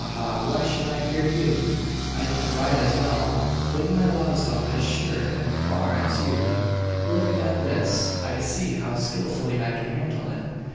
ha! Why should I fear you? I can ride as well fling my lazo as sure and far as you, Look at this I see how skilfully I can handle it!"